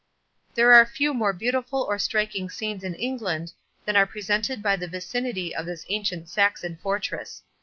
There are few more beautiful or striking scenes in England, than are presented by the vicinity of this ancient Saxon fortress.